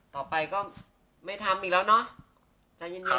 ต่อไปก็ไม่ทำอีกแล้วเนาะใจเย็น